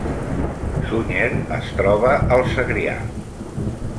Sunyer es troba al Segrià